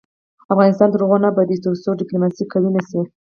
افغانستان تر هغو نه ابادیږي، ترڅو ډیپلوماسي قوي نشي.